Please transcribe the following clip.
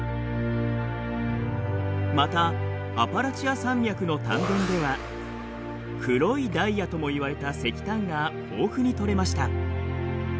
またアパラチア山脈の炭田では黒いダイヤともいわれた石炭が豊富に取れました。